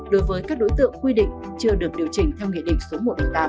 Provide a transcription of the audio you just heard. đối với các đối tượng quy định chưa được điều chỉnh theo nghị định số một trăm linh tám